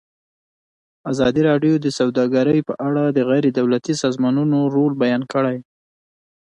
ازادي راډیو د سوداګري په اړه د غیر دولتي سازمانونو رول بیان کړی.